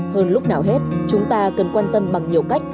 hơn lúc nào hết chúng ta cần quan tâm bằng nhiều cách